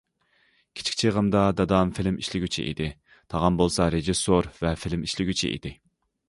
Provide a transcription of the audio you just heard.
كىچىك چېغىمدا دادام فىلىم ئىشلىگۈچى ئىدى، تاغام بولسا رېژىسسور ۋە فىلىم ئىشلىگۈچى ئىدى.